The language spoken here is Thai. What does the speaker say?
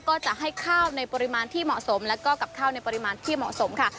ก็จะให้ข้าวในปริมาณที่เหมาะสมและก็กับข้าวในปริมาณที่เหมาะสมค่ะ